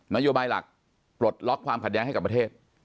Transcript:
โยบายหลักปลดล็อกความขัดแย้งให้กับประเทศ